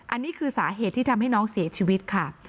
อันนี้คือสาเหตุที่ทำให้น้องเสียชีวิตค่ะ